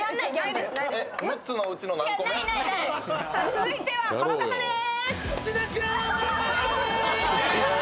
続いてはこの方です。